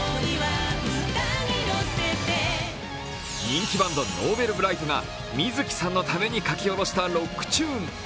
人気バンドＮｏｖｅｌｂｒｉｇｈｔが観月さんのために書き下ろしたロックチューン。